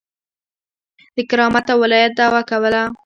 د کرامت او ولایت دعوه کوله.